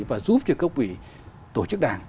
và giúp cho cấp ủy tổ chức đảng